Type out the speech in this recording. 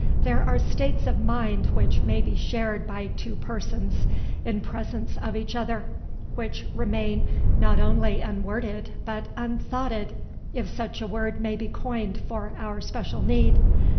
There are states of mind which may be shared by two persons in presence of each other, which remain not only unworded, but unthoughted, if such a word may be coined for our special need.